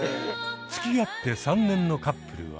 つきあって３年のカップルは。